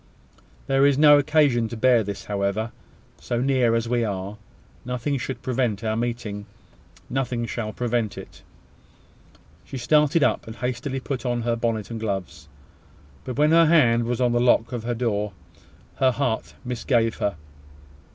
There is no occasion to bear this, however. So near as we are, nothing should prevent our meeting nothing shall prevent it." She started up, and hastily put on her bonnet and gloves: but when her hand was on the lock of her door, her heart misgave her.